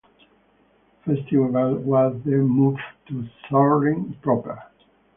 The festival was then moved to Surin proper.